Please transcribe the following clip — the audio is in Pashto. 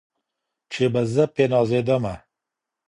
چي به زه په نازېدمه